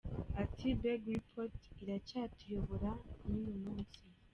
Ati “Berg Report iracyatuyobora n’uyu munsi.